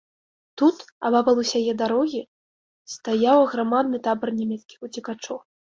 Тут, абапал усяе дарогі, стаяў аграмадны табар нямецкіх уцекачоў.